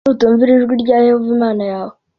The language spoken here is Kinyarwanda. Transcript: nutumvira ijwi rya yehova imana yawe